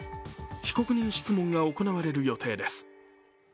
被告人質問が行われる予定です。